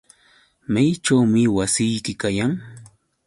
¿Mayćhuumi wasiyki kayan?